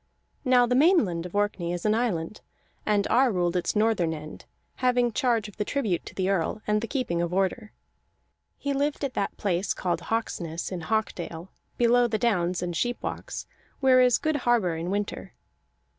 Now the Mainland of Orkney is an island, and Ar ruled its northern end, having charge of the tribute to the Earl and the keeping of order. He lived at that place called Hawksness in Hawkdale, below the downs and sheepwalks, where is good harbor in winter.